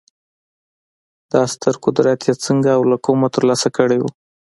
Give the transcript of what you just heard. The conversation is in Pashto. دا ستر قدرت یې څنګه او له کومه ترلاسه کړی و